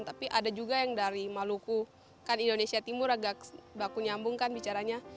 tapi ada juga yang dari maluku kan indonesia timur agak baku nyambung kan bicaranya